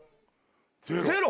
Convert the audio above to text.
ゼロ。